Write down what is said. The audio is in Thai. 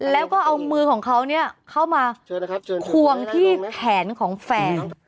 แล้วก็เอามือของเขาเข้ามาควงที่แขนของแฟน